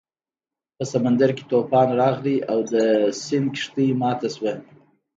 په سمندر کې طوفان راغی او د سید کښتۍ ماته شوه.